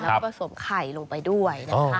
และผสมไข่ลงไปด้วยนะฮะ